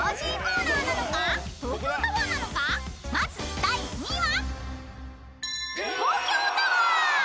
［まず第２位は］